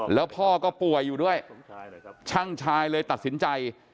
แล้วพ่อก็ป่วยอยู่ด้วยช่างชายเลยตัดสินใจ